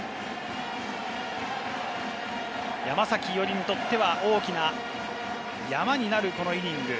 山崎伊織にとっては大きなヤマになる、このイニング。